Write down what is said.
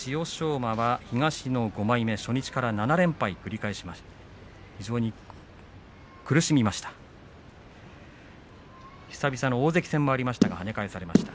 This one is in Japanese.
馬は東の５枚目初日から７連敗ありました。